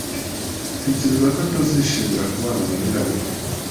Ntekereza ko atazishimira kubana na nyirabukwe.